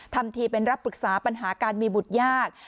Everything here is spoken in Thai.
ทำทีเป็นรับปรึกษาปัญหาการมีบุตรยาก